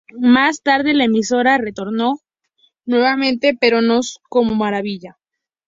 Más tarde, la emisora retornó nuevamente pero no como Maravilla.